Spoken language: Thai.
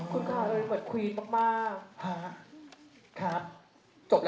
คุณขาหึลคุณขาหึล